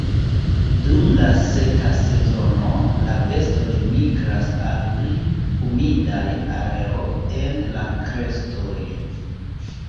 Dum la seka sezono la bestoj migras al pli humidaj areoj en la krestoj.